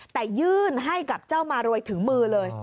แต่ยื่นให้กับเจ้ามารวยถึงมือเลย